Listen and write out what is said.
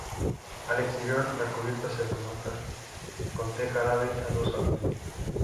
Al exterior, la cubierta se remata con teja árabe a dos aguas.